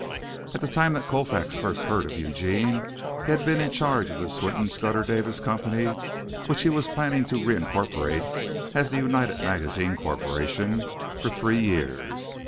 At the time that Colfax first heard of Eugene he had been in charge of the Swinton Scudder Davis Company (which he was planning to reincorporate as "The United Magazines Corporation") for three years.